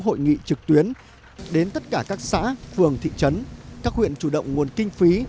hội nghị trực tuyến đến tất cả các xã phường thị trấn các huyện chủ động nguồn kinh phí